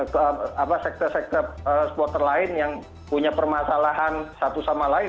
ke sektor sektor lain yang punya permasalahan satu sama lain